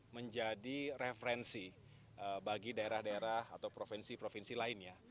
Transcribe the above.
menjadi referensi bagi daerah daerah atau provinsi provinsi lainnya